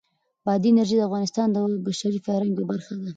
بادي انرژي د افغانستان د بشري فرهنګ یوه برخه ده.